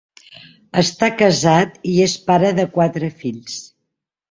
Està casat i és pare de quatre fills.